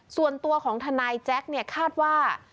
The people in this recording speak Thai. ส่วนตัวของทนายแจ๊คเนี่ยคาดว่า